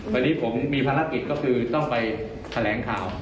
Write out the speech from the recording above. วันนี้ผมมีภารกิจก็คือต้องไปแถลงข่าว